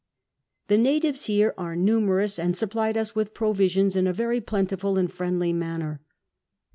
The natives here are numerous, and supj^lied us witli provisions in a very plentiful and friendly manner.